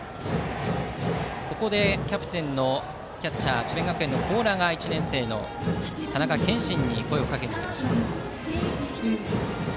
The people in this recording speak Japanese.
ここでキャプテンのキャッチャー智弁学園の高良が１年生の田中謙心に声をかけにいきました。